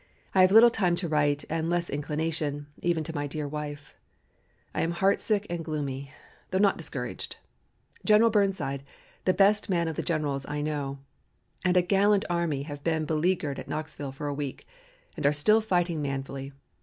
I have little time to write and less inclination, even to my dear wife. I am heart sick and gloomy, though not discouraged. General Burnside, the best man of the generals I know, and a gallant army have been beleaguered at Knoxville for a week, and are still fighting manfully.